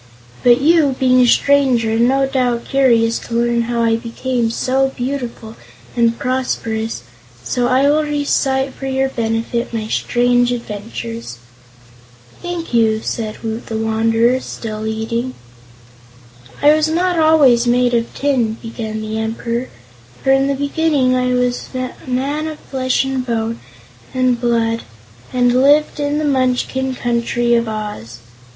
But you, being a stranger, are no doubt curious to learn how I became so beautiful and prosperous, so I will recite for your benefit my strange adventures." "Thank you," said Woot the Wanderer, still eating. "I was not always made of tin," began the Emperor, "for in the beginning I was a man of flesh and bone and blood and lived in the Munchkin Country of Oz.